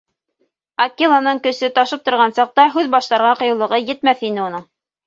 Акеланың көсө ташып торған саҡта һүҙ башларға ҡыйыулығы етмәҫ ине уның.